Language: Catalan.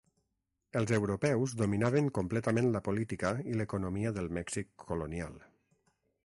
Els europeus dominaven completament la política i l'economia del Mèxic colonial.